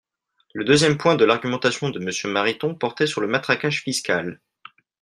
Le deuxième point de l’argumentation de Monsieur Mariton portait sur le matraquage fiscal.